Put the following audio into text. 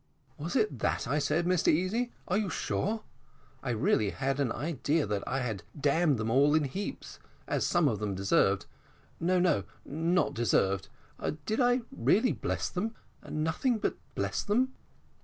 "Was it that I said, Mr Easy, are you sure? I really had an idea that I had damned them all in heaps, as some of them deserved no, no, not deserved. Did I really bless them nothing but bless them?"